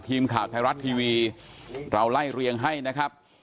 ทีมข่าวไทยรัฐทีวีเราไล่เรียงให้นะครับ